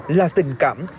cả là tình cảm